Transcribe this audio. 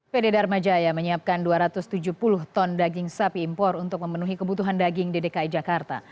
pd dharma jaya menyiapkan dua ratus tujuh puluh ton daging sapi impor untuk memenuhi kebutuhan daging di dki jakarta